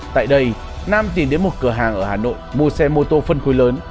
tại đây nam tìm đến một cửa hàng ở hà nội mua xe mô tô phân khối lớn